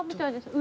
上？